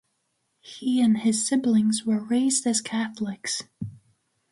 He and his siblings were raised as Catholics.